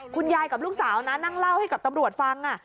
คุณยายกับลูกสาวนะนั่งเล่าให้กับตำรวจฟัง